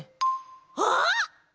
あっ！